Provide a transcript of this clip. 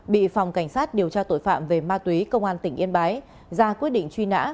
bị phòng cảnh sát điều tra tội phạm về ma túy công an tỉnh yên bái ra quyết định truy nã